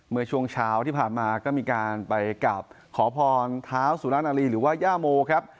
เมื่อช่วงเช้าที่ผ่านมาก็มีการไปกราบขอพรเท้าสุรนาลีหรือว่าย่าโมครับ